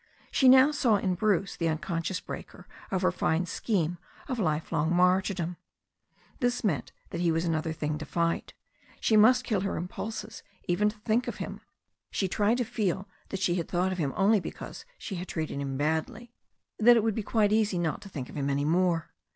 She now saw in Bruce the unconscious breaker of her fine scheme of life long martyrdom. This meant that he was another thing to fight. She must kill her impulses even to think of him. She tried to feel that she had thought of him only because she had treated him badly, that it would be quite easy not to think of him any more.